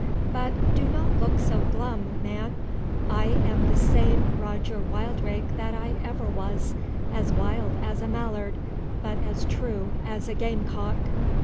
But do not look so glum, man—I am the same Roger Wildrake that I ever was; as wild as a mallard, but as true as a game cock.